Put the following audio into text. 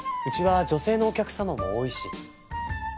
うちは女性のお客様も多いし。